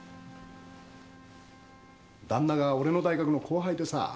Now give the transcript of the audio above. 旦那が俺の大学の後輩でさ。